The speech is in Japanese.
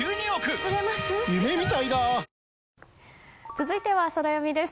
続いてはソラよみです。